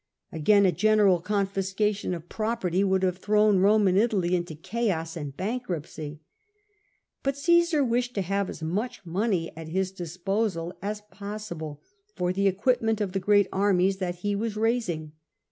Again, a general confiscation of property would have thrown Rome and Italy into chaos and bankruptcy. But Cmsar wished to have as much money at his disposal as possible, for the equipment of the great armies that he was raising.